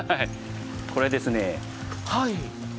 これですね。